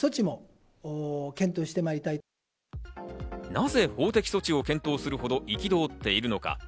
なぜ法的措置を検討するほど憤っているのか。